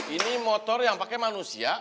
ini motor yang pakai manusia